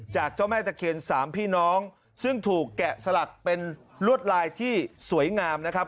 เจ้าแม่ตะเคียนสามพี่น้องซึ่งถูกแกะสลักเป็นลวดลายที่สวยงามนะครับ